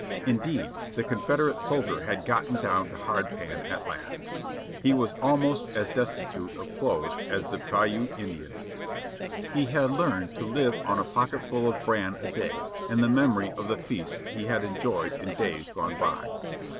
Indeed, the Confederate soldier had gotten down to hardpan at last. He was almost as destitute of clothes as a Piute Indian. He had learned to live on a pocketful of bran a day and the memory of the feasts he had enjoyed in days gone by.